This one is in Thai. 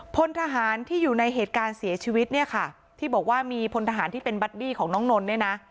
พลทหารที่อยู่ในเหตุการณ์เสียชีวิตเนี่ยค่ะที่บอกว่ามีพลทหารที่เป็นบัดดี้ของน้องนนท์เนี่ยนะ